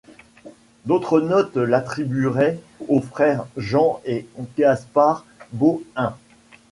D'autres notes l'attribueraient aux frères Jean et Gaspard Bauhin.